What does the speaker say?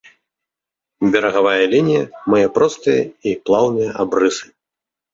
Берагавая лінія мае простыя і плаўныя абрысы.